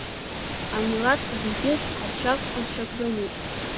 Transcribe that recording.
Амилаҭқәа зегьы ҟазшьак-ҟазшьак рымоуп.